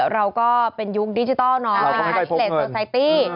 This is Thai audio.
เราก็เป็นยุคดิจิทัลไฮเลสเซอร์ไซตี้